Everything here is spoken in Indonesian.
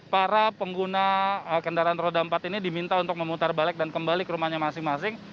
para pengguna kendaraan roda empat ini diminta untuk memutar balik dan kembali ke rumahnya masing masing